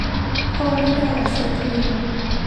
พอลิไดอะเซทิลีน